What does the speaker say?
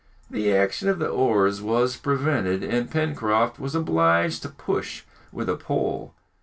The action of the oars was prevented, and Pencroft was obliged to push with a pole.